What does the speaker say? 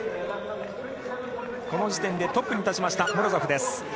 この時点でトップに立ちましたモロゾフです。